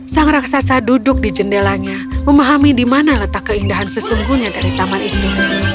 sang raksasa duduk di jendelanya memahami di mana letak keindahan sesungguhnya dari taman itu